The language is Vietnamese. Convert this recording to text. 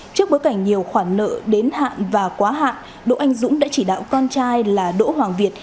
trước bối cảnh nhiều khoản nợ đến hạn và quá hạn đỗ anh dũng đã chỉ đạo con trai là đỗ hoàng việt